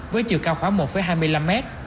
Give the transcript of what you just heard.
với chiều cao khoá một hai mươi năm mét